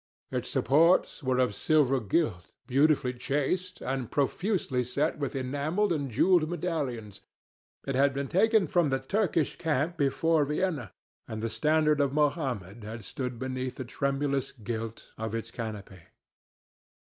Its supports were of silver gilt, beautifully chased, and profusely set with enamelled and jewelled medallions. It had been taken from the Turkish camp before Vienna, and the standard of Mohammed had stood beneath the tremulous gilt of its canopy.